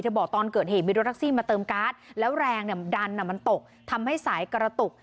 บอกตอนเกิดเหตุมีรถแท็กซี่มาเติมการ์ดแล้วแรงเนี่ยดันมันตกทำให้สายกระตุก